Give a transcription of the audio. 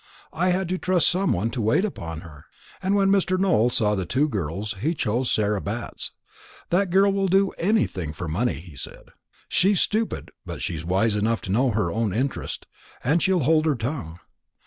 I had to trust some one to wait upon her, and when Mr. Nowell saw the two girls he chose Sarah Batts. 'That girl will do anything for money,' he said; 'she's stupid, but she's wise enough to know her own interest, and she'll hold her tongue.'